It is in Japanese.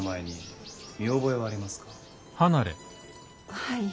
はい。